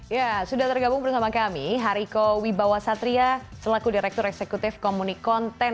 ya sudah tergabung bersama kami hariko wibawa satria selaku direktur eksekutif komunik konten